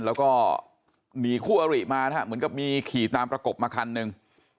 แล้วก็หนีคู่อริมานะครับเหมือนกับมีขี่ตามประกบมาคันหนึ่ง